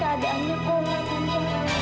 keadaannya omar tante